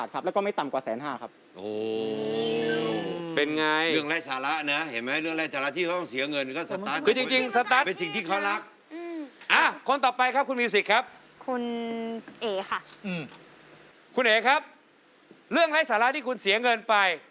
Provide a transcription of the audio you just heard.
คุณเอ๋ครับเรื่องไร้สาระที่คุณเสียเงินไป